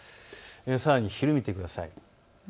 さらに昼を見てください。